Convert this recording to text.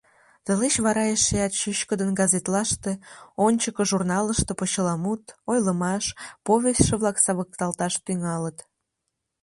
Тылеч вара эшеат чӱчкыдын газетлаште, «Ончыко» журналыште почеламут, ойлымаш, повестьше-влак савыкталташ тӱҥалыт.